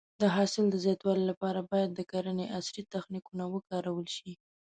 د حاصل د زیاتوالي لپاره باید د کرنې عصري تخنیکونه وکارول شي.